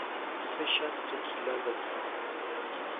سه شات تکیلا، لطفاً.